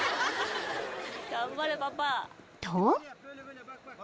［と］